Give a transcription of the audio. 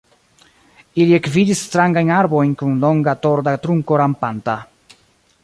Ili ekvidis strangajn arbojn kun longa torda trunko rampanta.